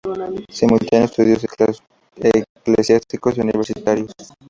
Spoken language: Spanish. Simultaneó estudios eclesiásticos y universitarios.